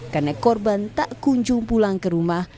karena korban tak kunjung pulang ke rumah